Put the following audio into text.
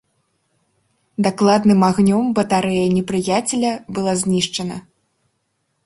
Дакладным агнём батарэя непрыяцеля была знішчана.